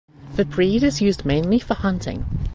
The breed is used mainly for hunting.